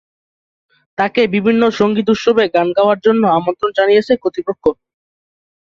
তাকে বিভিন্ন সংগীত উৎসবে গান গাওয়ার জন্য আমন্ত্রণ জানিয়েছে কর্তৃপক্ষ।